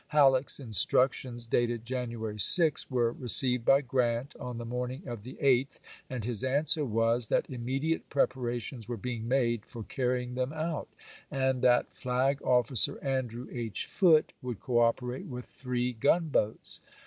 Halleck's instructions, dated January 6, were re 1862. ceived by Grant on the morning of the 8th, and his answer was, that immediate preparations were being made for carrying them out, and that Flag of&cer Andrew H. Foote would cooperate with three gunboats.